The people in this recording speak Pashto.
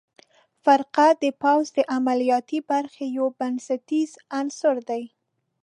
فرقه د پوځ د عملیاتي برخې یو بنسټیز عنصر دی.